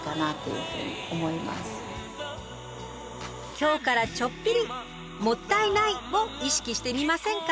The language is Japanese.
今日からちょっぴり「もったいない！」を意識してみませんか？